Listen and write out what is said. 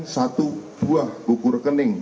satu buah buku rekening